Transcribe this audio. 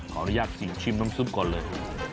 ขออนุญาตชิมน้ำซุปก่อนเลย